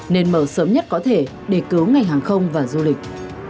nên mở sớm nhất có thể để cứu ngành hàng không và du lịch